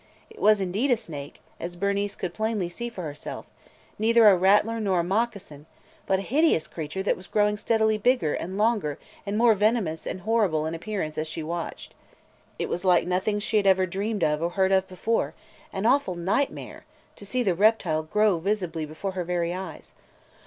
It was indeed a snake, as Bernice could plainly see for herself, neither a rattler nor a moccasin, but a hideous creature that was growing steadily bigger and longer and more venomous and horrible in appearance as she watched. It was like nothing she had ever dreamed of or heard of before – an awful nightmare, – to see the reptile grow visibly, before her very eyes.